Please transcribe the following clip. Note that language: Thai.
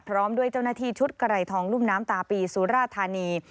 พร้อมด้วยเจ้าหน้าที่ชุดไกรทองรุ่มน้ำตาปีสุราธานี